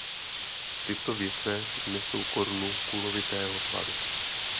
Tyto větve nesou korunu kulovitého tvaru.